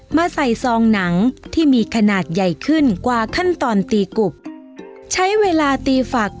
มาใส่ซองหนังที่มีขนาดใหญ่ขึ้นกว่าขั้นตอนตีกุบใช้เวลาตีฝัก